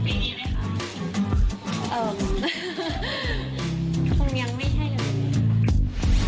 คงยังไม่ใช่เลย